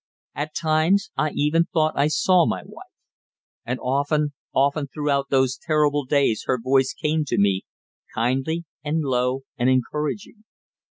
At times I even thought I saw my wife. And often, often throughout those terrible days her voice came to me, kindly and low and encouraging.